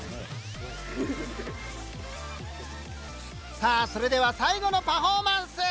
さあそれでは最後のパフォーマンス！